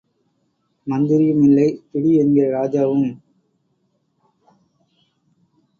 மந்திரியும் இல்லை, பிடி என்கிற ராஜாவும்.